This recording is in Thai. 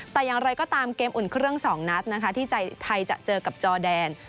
แต่อย่างไรก็ตามเกมอุ่นเครื่อง๒นัดนะคะที่ไทยจะเจอกับจอแดน